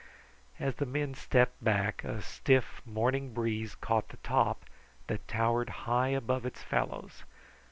As the men stepped back, a stiff morning breeze caught the top, that towered high above its fellows.